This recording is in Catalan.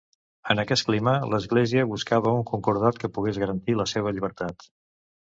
En aquest clima, l'Església buscava un concordat que pogués garantir la seva llibertat.